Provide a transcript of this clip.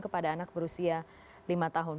kepada anak berusia lima tahun